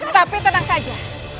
tapi tenang saja